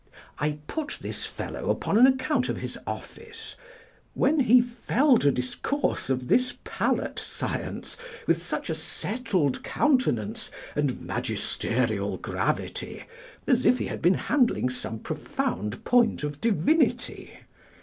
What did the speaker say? I put this fellow upon an account of his office: when he fell to discourse of this palate science, with such a settled countenance and magisterial gravity, as if he had been handling some profound point of divinity.